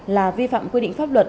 là vi phạm quy định pháp luật